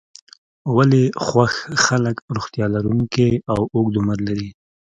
ولې خوښ خلک روغتیا لرونکی او اوږد عمر لري.